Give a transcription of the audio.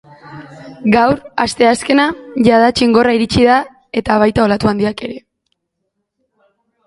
Gaur, asteazkena, jada txingorra iritsi da eta baita olatu handiak ere.